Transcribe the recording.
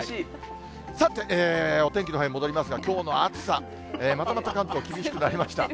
さて、お天気のほうへ戻りますが、きょうの暑さ、またまた関東、厳しくなりました。